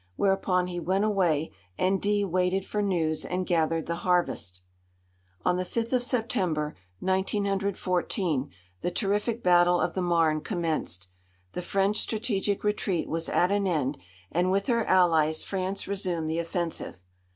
Whereupon he went away, and D waited for news and gathered the harvest. On the fifth of September, 1914, the terrific battle of the Marne commenced. The French strategic retreat was at an end, and with her allies France resumed the offensive.